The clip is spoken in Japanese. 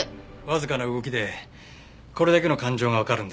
わずかな動きでこれだけの感情がわかるんですね。